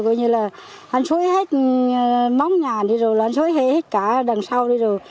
coi như là ăn xôi hết móng nhà đi rồi ăn xôi hết cả đằng sau đi rồi